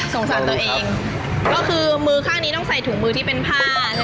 สงสัยตัวเองก็คือมือข้างนี้ต้องใส่ถุงมือที่เป็นผ้าใช่มั้ยนะ